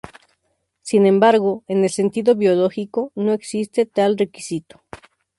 Sin embargo, en el sentido biológico no existe tal requisito.